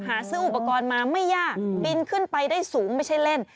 หาซื้ออุปกรณ์มาไม่ยากบินขึ้นไปได้สูงไม่ใช่เล่น